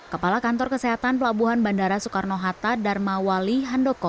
kepala kantor kesehatan pelabuhan bandara soekarno hatta dharma wali handoko